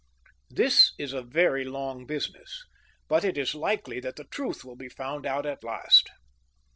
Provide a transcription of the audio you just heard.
This is a very long business, but it is likely that the truth will be found out at last.